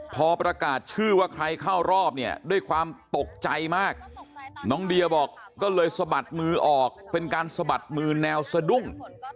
พอประกาศชื่อว่าใครเข้ารอบเนี่ยด้วยความตกใจมากน้องเดียบอกก็เลยสะบัดมือออกเป็นการสะบัดมือแนวสะดุ้ง